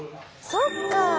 そっか。